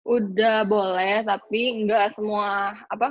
udah boleh tapi gak semua apa ya